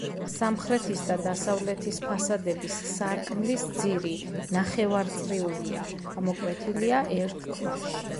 სამხრეთის და დასავლეთის ფასადების სარკმლის ძირი ნახევარწრიულია, ამოკვეთილია ერთ ქვაში.